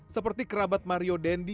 seperti kerabat mario dendy